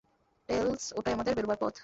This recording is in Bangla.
টেলস, ওটাই আমাদের বেরোবার পথ।